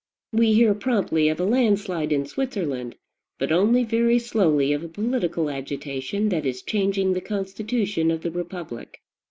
We hear promptly of a landslide in Switzerland, but only very slowly of a political agitation that is changing the constitution of the republic.